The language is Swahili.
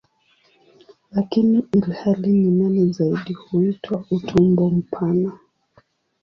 Lakini ilhali ni nene zaidi huitwa "utumbo mpana".